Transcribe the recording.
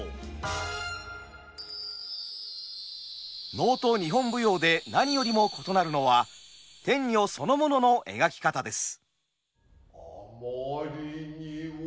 能と日本舞踊で何よりも異なるのは天女そのものの描き方です。